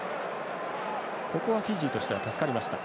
フィジーとしては助かりました。